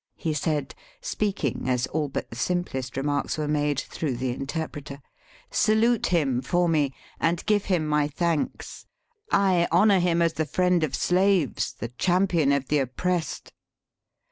'' he said, speaking, as all but the simplest remarks were made, through the in terpreter. '' Salute him for me, and give him my thanks. I honour him as the friend of slaves, the champion of the oppressed."